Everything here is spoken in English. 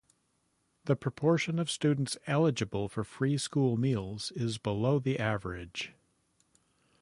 The proportion of students eligible for free school meals is below the average.